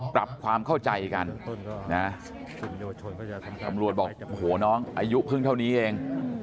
ปรับความเข้าใจกันนะตำรวจบอกโอ้โหน้องอายุเพิ่งเท่านี้เอง